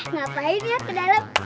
ngapain lihat ke dalam